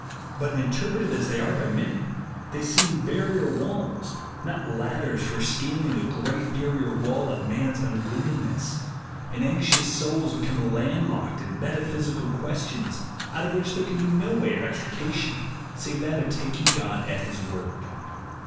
But, inter preted as they are by many, they seem barrier walls, rot ladders for scaling the 02 OOD*S CHARACTER great bamor wall of man's nnwillhiifness; and anxious souls become land locked in metaphysical questions, out of which there can be no way of extrication save that of taking God at his word.